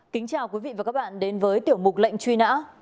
kính chào quý vị và các bạn đến với tiểu mục lệnh truy nã